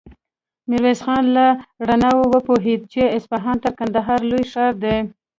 ميرويس خان له رڼاوو وپوهېد چې اصفهان تر کندهاره لوی ښار دی.